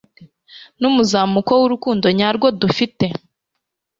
n'umuzamuko w'urukundo nyarwo dufite